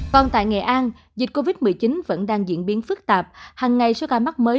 còn tại nghệ an dịch covid một mươi chín vẫn đang diễn biến phức tạp hằng ngày số ca mắc mới